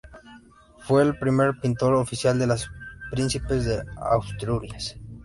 Fue el primer pintor oficial de los Príncipes de Asturias.